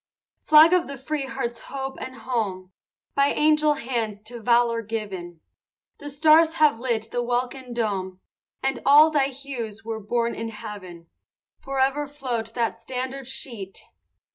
V Flag of the free heart's hope and home, By angel hands to valor given; The stars have lit the welkin dome, And all thy hues were born in heaven. Forever float that standard sheet!